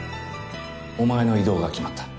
お前の異動が決まった。